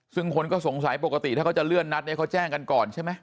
ซึ่งคนก็สงสัยปกติถ้าเขาจะเลื่อนนัดเนี่ยเขาแจ้งกันก่อนใช่ไหม